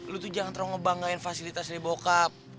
lu tuh jangan terlalu ngebanggain fasilitas dari bokap